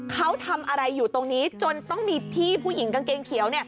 เขาทำอะไรอยู่ตรงนี้จนต้องมีพี่ผู้หญิงกางเกงเขียว